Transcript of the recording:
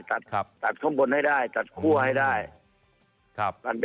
ตัดข้างบนให้ได้ตัดคั่วให้ได้